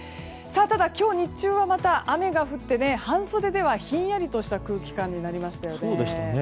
ただ今日日中はまた雨が降って半袖ではひんやりとした空気感になりましたよね。